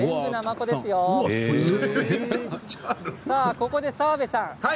ここで澤部さん